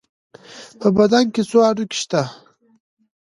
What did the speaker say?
په بدن کې څو هډوکي شته؟